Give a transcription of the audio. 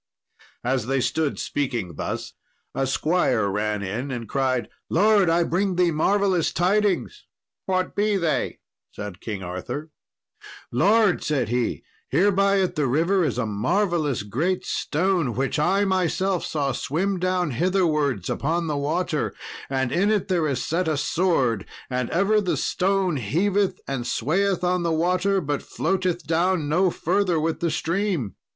As they stood speaking thus, a squire ran in and cried, "Lord, I bring thee marvellous tidings." "What be they?" said King Arthur. "Lord," said he, "hereby at the river is a marvellous great stone, which I myself saw swim down hitherwards upon the water, and in it there is set a sword, and ever the stone heaveth and swayeth on the water, but floateth down no further with the stream."